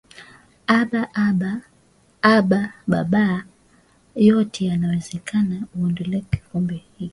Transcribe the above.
Aba Baba yote yawezekana kwako uniondolee kikombe hiki